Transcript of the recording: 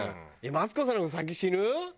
マツコさんの方が先死ぬ？